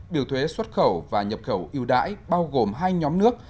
biểu thuế xuất khẩu và nhập khẩu yêu đãi bao gồm hai nhóm nước